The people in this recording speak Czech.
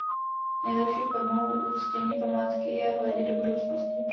Nejlepší formou uctění památky je hledět do budoucnosti.